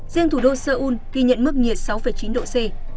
riêng thủ đô seoul ghi nhận mức nhiệt sáu chín độ c